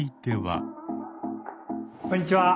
こんにちは。